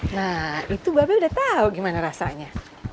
nah itu bape udah tahu gimana rasanya